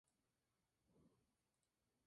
Brown "et al".